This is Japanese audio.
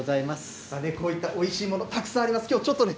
こういったおいしいもの、たくさんあります。